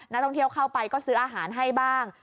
นักท่องเที่ยวเข้าไปก็ซื้ออาหารให้บ้าง